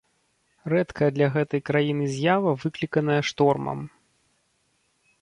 Рэдкая для гэтай краіны з'ява выкліканая штормам.